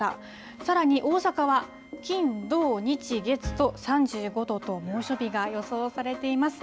さらに大阪は金、土、日、月と３５度と猛暑日が予想されています。